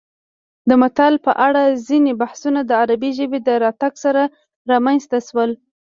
د متل په اړه ځینې بحثونه د عربي ژبې د راتګ سره رامنځته شول